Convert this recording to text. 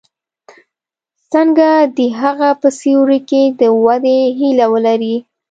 څنګه د هغه په سیوري کې د ودې هیله ولري.